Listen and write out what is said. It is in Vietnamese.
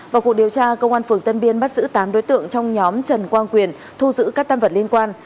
vào cuộc điều tra công an phường tân biên bắt giữ tám đối tượng trong nhóm trần quang quyền thu giữ các tâm vật liên quan